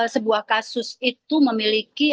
sebuah kasus itu memiliki